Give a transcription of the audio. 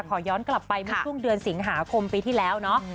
ขอย้อนกลับไปเมื่อช่วงเดือนสิงหาคมปีที่แล้วเนาะ